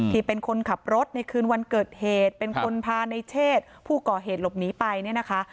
ที่เป็นคนขับรถในคืนวันเกิดเหตุเป็นคนพาในเชศผู้ก่อเหตุหลบหนีไปเนี่ยนะคะ